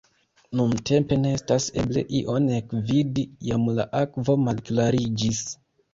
Nuntempe ne estas eble ion ekvidi, jam la akvo malklariĝis.